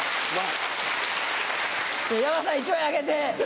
山田さん１枚あげて。